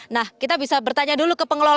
nah kita bisa bertanya dulu ke pengelola